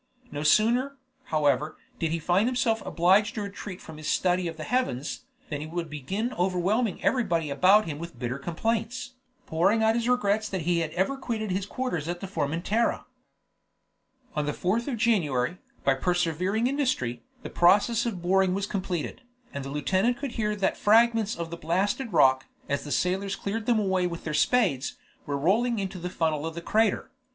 No sooner, however, did he find himself obliged to retreat from his study of the heavens, than he would begin overwhelming everybody about him with bitter complaints, pouring out his regrets that he had ever quitted his quarters at Formentera. On the 4th of January, by persevering industry, the process of boring was completed, and the lieutenant could hear that fragments of the blasted rock, as the sailors cleared them away with their spades, were rolling into the funnel of the crater.